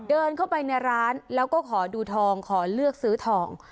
เดินเข้าไปในร้านแล้วก็ขอดูทองขอเลือกซื้อทอง